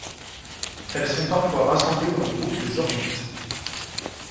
Elles sont parfois rassemblées dans le groupe des hormites.